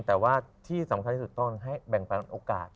แต่ว่าที่สำคัญที่สุดต้องให้แบ่งปันโอกาส